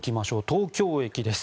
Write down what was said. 東京駅です。